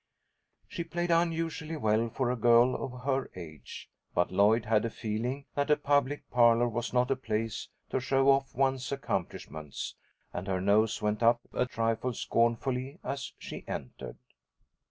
She played unusually well for a girl of her age, but Lloyd had a feeling that a public parlour was not a place to show off one's accomplishments, and her nose went up a trifle scornfully as she entered.